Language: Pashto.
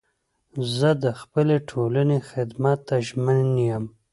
زه د خپلي ټولني خدمت ته ژمن یم.